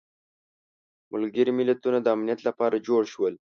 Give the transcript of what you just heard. ملګري ملتونه د امنیت لپاره جوړ شول.